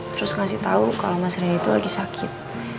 terus ngasih tahu kalau mas randy itu lagi sakit